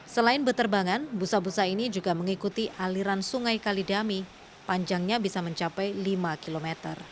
selain berterbangan busa busa ini juga mengikuti aliran sungai kalidami panjangnya bisa mencapai lima km